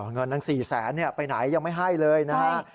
เงินนาง๔แสนเนี่ยไปไหนยังไม่ให้เลยนะฮะ